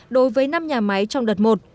đối với năm nhà máy trong đợt một